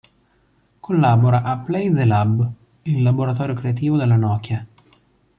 Collabora a "Play the Lab", il laboratorio creativo della Nokia.